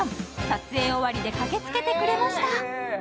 撮影終わりで駆けつけてくれました